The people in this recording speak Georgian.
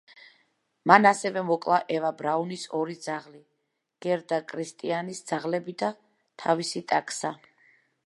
მან ასევე მოკლა ევა ბრაუნის ორი ძაღლი, გერდა კრისტიანის ძაღლები და თავისი ტაქსა.